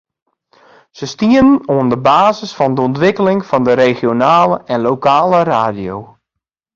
Se stienen oan de basis fan de ûntwikkeling fan de regionale en lokale radio.